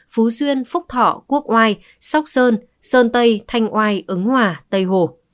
phú xuyên phúc thọ quốc oai sóc sơn sơn tây thanh oai ứng hòa tây hồ